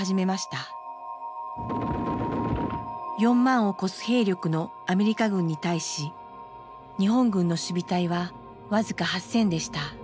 ４万を超す兵力のアメリカ軍に対し日本軍の守備隊は僅か８，０００でした。